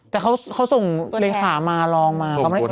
แต่เขาส่งเลขามาลองมา